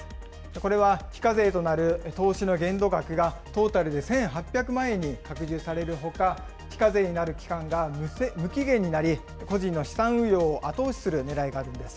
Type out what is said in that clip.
これは非課税となる投資の限度額がトータルで１８００万円に拡充されるほか、非課税になる期間が無期限になり、個人の資産運用を後押しするねらいがあるんです。